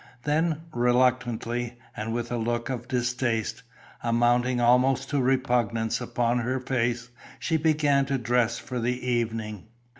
Then, reluctantly, and with a look of distaste, amounting almost to repugnance upon her face, she began to dress for the evening.